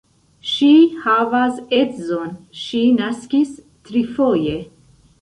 Ŝi havas edzon, ŝi naskis trifoje.